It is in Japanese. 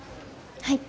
はい